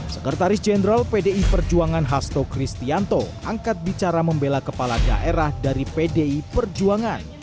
sekretaris jenderal pdi perjuangan hasto kristianto angkat bicara membela kepala daerah dari pdi perjuangan